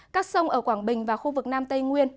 các sông ở quảng bình và khu vực nam tây nguyên